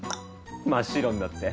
真っ白になって。